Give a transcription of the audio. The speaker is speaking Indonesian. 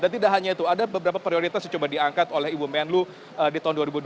dan tidak hanya itu ada beberapa prioritas yang coba diangkat oleh ibu menlu di tahun dua ribu dua puluh tiga